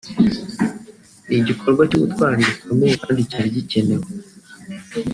ni igikorwa cy’ubutwari bukomeye kandi cyari gikenewe